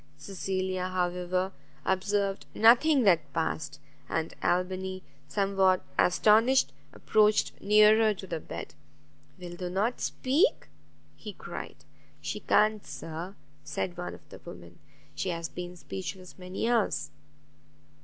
Cecilia, however, observed nothing that passed; and Albany, somewhat astonished, approached nearer to the bed; "Wilt thou not speak?" he cried. "She can't, Sir," said one of the women; "she has been speechless many hours."